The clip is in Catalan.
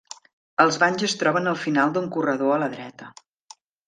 Els banys es troben al final d'un corredor a la dreta.